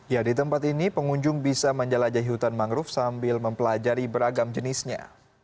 ya di tempat ini pengunjung bisa menjelajahi hutan mangrove sambil mempelajari beragam jenisnya